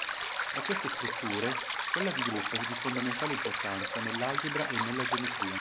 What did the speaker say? Fra queste strutture, quella di gruppo è di fondamentale importanza nell'algebra e nella geometria.